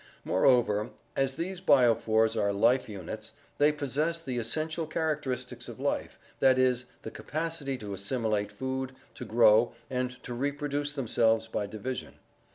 Moreover, as these biophors are life units, they possess the essential characteristics of life, that is, the capacity to assim ilate food, to grow, and to reproduce themselves by division.